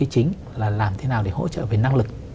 chính là làm thế nào để hỗ trợ về năng lực